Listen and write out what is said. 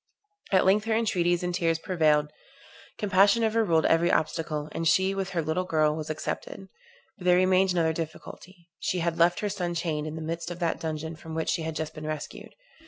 At length her entreaties and tears prevailed; compassion overruled every obstacle; and she, with her little girl, was accepted. But there remained another difficulty; she had left her son chained in the midst of that dungeon from which she had just been rescued.